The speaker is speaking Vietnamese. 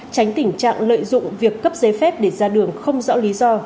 tránh tình trạng lợi dụng việc cấp giấy phép để ra đường không rõ lý do